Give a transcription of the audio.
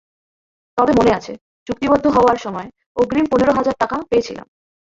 তবে মনে আছে, চুক্তিবদ্ধ হওয়ার সময় অগ্রিম পনেরো হাজার টাকা পেয়েছিলাম।